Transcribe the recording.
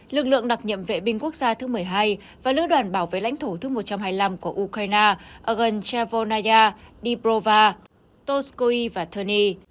lực lượng đặc nhiệm vệ binh quốc gia thứ một mươi hai và lữ đoàn bảo vệ lãnh thổ thứ một trăm hai mươi năm của ukraine ở gần chevolnaya dniprova toskoy và terni